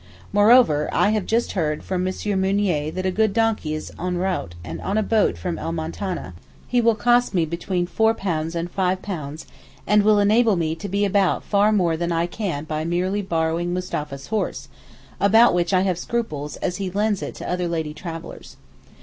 Moreover, I have just heard from M. Mounier that a good donkey is en route in a boat from El Moutaneh—he will cost me between £4 and £5 and will enable me to be about far more than I can by merely borrowing Mustapha's horse, about which I have scruples as he lends it to other lady travellers.